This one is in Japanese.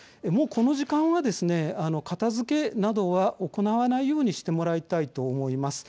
この時間はですね片付けなどは行わないようにしてもらいたいと思います。